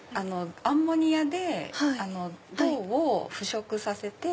アンモニアで銅を腐食させて。